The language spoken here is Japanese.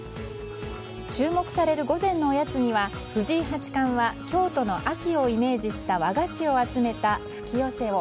注目される午前のおやつには藤井八冠は京都の秋をイメージした和菓子を集めたふきよせを。